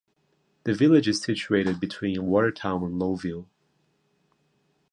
The village is situated between Watertown and Lowville.